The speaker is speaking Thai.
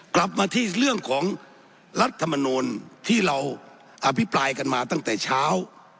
กลับมาที่เรื่องของรัฐมนูลที่เราอภิปรายกันมาตั้งแต่เช้า